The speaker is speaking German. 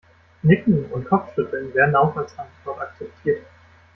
Nicken und Kopfschütteln werden auch als Antwort akzeptiert.